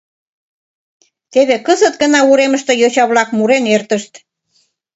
Теве кызыт гына уремыште йоча-влак мурен эртышт.